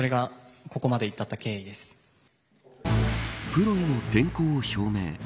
プロへの転向を表明。